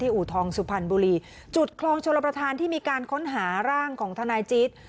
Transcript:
อูทองสุพรรณบุรีจุดคลองชลประธานที่มีการค้นหาร่างของทนายจี๊ด